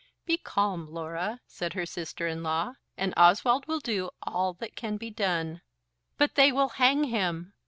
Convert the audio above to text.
"Be calm, Laura," said her sister in law, "and Oswald will do all that can be done." "But they will hang him."